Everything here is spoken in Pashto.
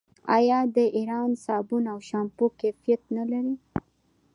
آیا د ایران صابون او شامپو کیفیت نلري؟